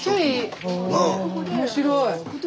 面白い。